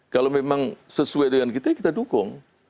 kalau memang sesuai dengan kita ya kita dukung